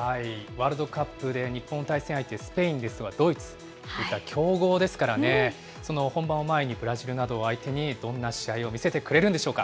ワールドカップで日本の対戦相手、スペインですとかドイツ、強豪ですからね、その本番を前に、ブラジルなどを相手に、どんな試合を見せてくれるんでしょうか。